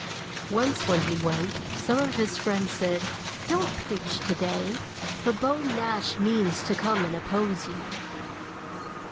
Once when he went, some of his friends said: "Don't preach to day, for Beau Nash means to come and oppose you."